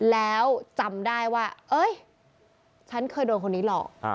แล้วจำได้ว่าเอ้ยฉันเคยโดนคนนี้หลอก